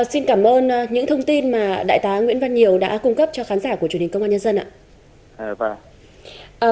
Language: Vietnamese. xin cảm ơn những thông tin mà đại tá nguyễn văn nhiều đã cung cấp cho khán giả của truyền hình công an nhân dân ạ